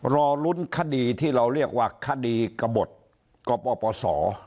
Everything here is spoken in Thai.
รอลุ้นคดีที่เราเรียกว่าคดีกระบดกปปศ